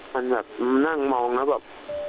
มันแบบนั่งมองแล้วแบบ